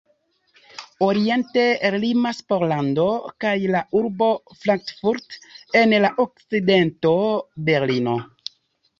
Oriente limas Pollando kaj la urbo Frankfurt, en la okcidento Berlino.